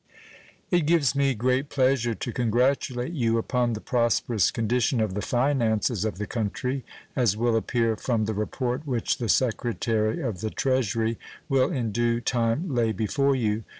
It gives me great pleasure to congratulate you upon the prosperous condition of the finances of the country, as will appear from the report which the Secretary of the Treasury will in due time lay before you.